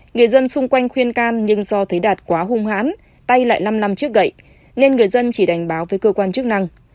người dân xung quanh khuyên can nhưng do thấy đạt quá hung hãn tay lại năm năm trước gậy nên người dân chỉ đành báo với cơ quan chức năng